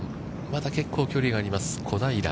まだ結構、距離があります、小平。